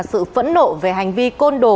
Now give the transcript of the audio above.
sự phẫn nộ về hành vi côn đồ